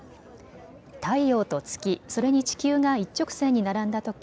太陽と月、それに地球が一直線に並んだとき